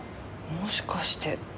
もしかしてって。